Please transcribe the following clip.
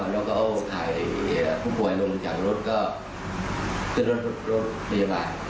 แล้วก็เอาถ่ายผู้ป่วยลงจากรถก็ขึ้นรถพยาบาล